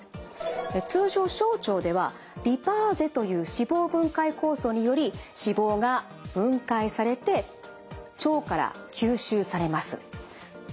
通常小腸ではリパーゼという脂肪分解酵素により脂肪が分解されて腸から吸収されます。